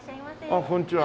あっこんにちは。